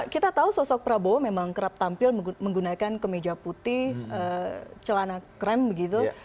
kita tahu sosok prabowo memang kerap tampil menggunakan kemeja putih celana krem begitu